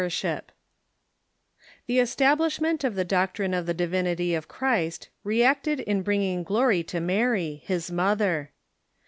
] The establishment of the doctrine of the divinity of Christ reacted in bringing glory to Mary, his mother.